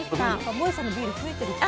もえさんのビール増えてる気がする。